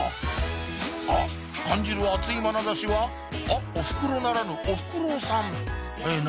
あっ感じる熱いまなざしはあっおふくろならぬおフクロウさんえ何？